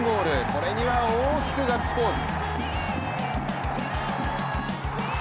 これには大きくガッツポーズ！